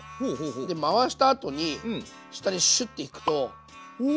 で回したあとに下にシュッっていくとおお！